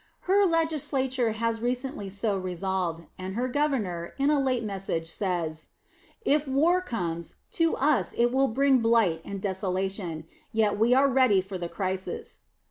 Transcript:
Her Legislature has recently so resolved, and her Governor, in a late message, says, "If war comes, to us it will bring blight and desolation, yet we are ready for the crisis."